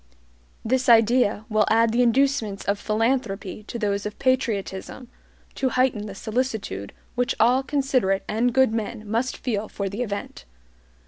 This idea will add the inducements of philanthropy to those of patriotism, to heighten the solicitude which all considerate and good men must feel for the event.